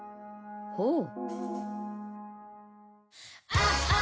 ほう。